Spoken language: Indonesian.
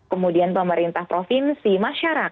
kemudian pemerintahn provinsi masyarakat